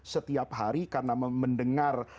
setiap hari karena mendengar